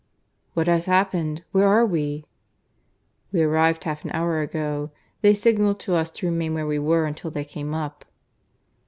"What has happened? Where are we?" "We arrived half an hour ago. They signalled to us to remain where we were until they came up."